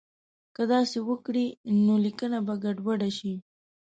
که داسې وکړي نو لیکنه به ګډوډه شي.